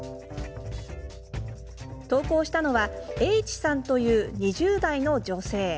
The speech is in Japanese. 投稿したのはＨさんという２０代の女性。